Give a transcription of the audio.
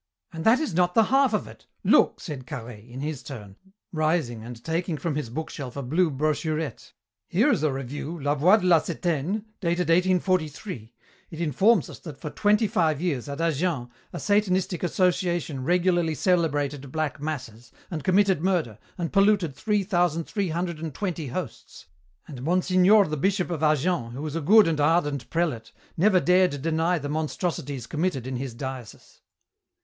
"And that is not the half of it! Look," said Carhaix, in his turn, rising and taking from his bookshelf a blue brochurette. "Here is a review, La voix de la septaine, dated 1843. It informs us that for twenty five years, at Agen, a Satanistic association regularly celebrated black masses, and committed murder, and polluted three thousand three hundred and twenty hosts! And Monsignor the Bishop of Agen, who was a good and ardent prelate, never dared deny the monstrosities committed in his diocese!"